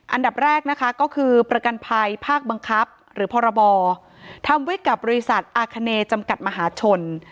อันดับแรกนะคะก็คือประกันภัยภาคบังคับหรือพรบทำไว้กับบริษัทอาคเนจำกัดมหาชน